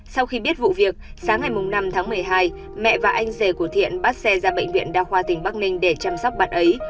sau khi biết vụ việc sáng ngày năm tháng một mươi hai mẹ và anh rể của thiện bắt xe ra bệnh viện đa khoa tỉnh bắc ninh để chăm sóc bạn ấy